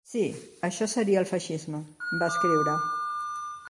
"Sí, això seria el feixisme", va escriure.